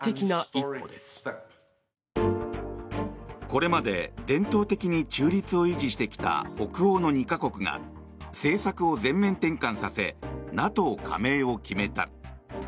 これまで伝統的に中立を維持してきた北欧の２か国が政策を全面転換させＮＡＴＯ加盟を決めた。